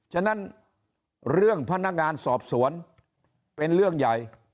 ฉะนั้นเรื่องพนักงานสอบสวนเป็นเรื่องใหญ่